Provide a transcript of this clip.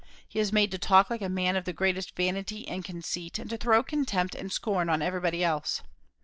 He is made to talk like a man of the greatest vanity and conceit, and to throw contempt and scorn on everybody else.